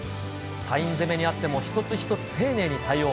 サイン攻めにあっても一つ一つ丁寧に対応。